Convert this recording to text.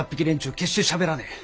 決してしゃべらねえ。